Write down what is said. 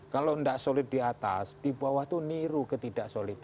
kalau enggak solid di atas di bawah itu niru ketidak solid